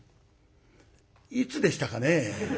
いつでしたかね。